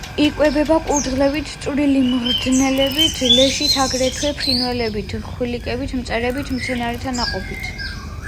იკვებება კურდღლებით, წვრილი მღრღნელებით, ლეშით, აგრეთვე ფრინველებით, ხვლიკებით, მწერებით, მცენარეთა ნაყოფით.